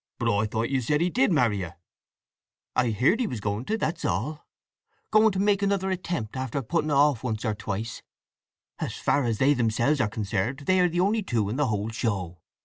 "But I thought you said he did marry her?" "I heard he was going to—that's all, going to make another attempt, after putting it off once or twice… As far as they themselves are concerned they are the only two in the show.